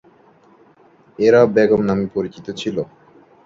এরা বেগম নামে পরিচিত ছিলো।